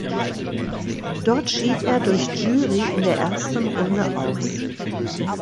Dort schied er durch Jury in der ersten Runde aus.